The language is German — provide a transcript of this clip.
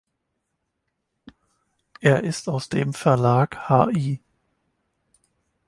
Er ist aus dem Verlag „Hl.